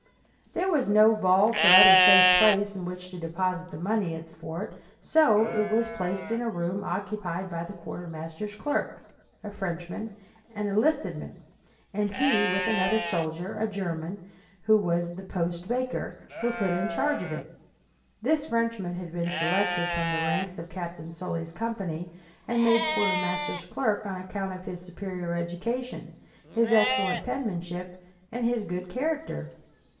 There was no vault or other safe place in which to deposit the money at the fort, so it was placed in a room occupied by the quartermaster's clerk, a Frenchman, an enlisted man, and he, with another soldier, a German, who was the post baker, were put in charge of it. This Frenchman had been selected from the ranks of Captain Sully's company and made quartermaster's clerk on account of his superior education, his excellent penmanship and his good character.